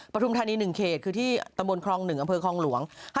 ทุมธานี๑เขตคือที่ตำบลครอง๑อำเภอคลองหลวง